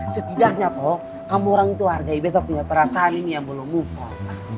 setidaknya toh kamu orang itu hargai betoknya perasaan ini yang belum mumpung